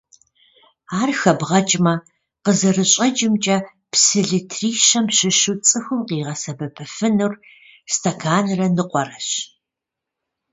Ар хэбгъэкӀмэ, къызэрыщӀэкӀымкӀэ, псы литри щэм щыщу цӀыхум къигъэсэбэпыфынур стэканрэ ныкъуэрэщ.